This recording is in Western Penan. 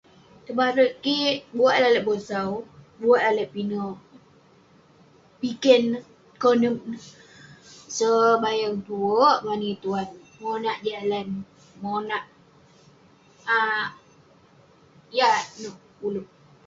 Tebare' kik, buwak eh lalek bosau..buwak eh lalek pinek...piken neh, konep neh, sebayang..tuwerk , mani tuan monak jalan, monak[um] yah nouk uleuk